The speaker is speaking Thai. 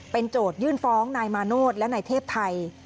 โจทยื่นฟ้องนายมาโนธและนายเทพไทย